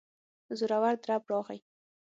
زورور درب راغی.